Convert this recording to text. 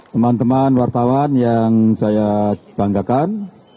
teman teman wartawan yang saya banggakan